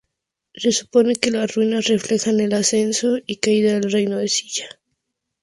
Se supone que las ruinas reflejan el ascenso y caída del reino de Silla.